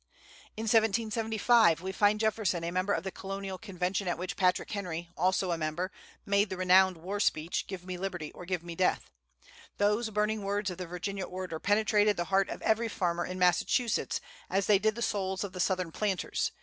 In 1775 we find Jefferson a member of the Colonial Convention at which Patrick Henry, also a member, made the renowned war speech: "Give me liberty, or give me death." Those burning words of the Virginia orator penetrated the heart of every farmer in Massachusetts, as they did the souls of the Southern planters.